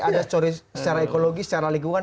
ada secara ekologi secara lingkungan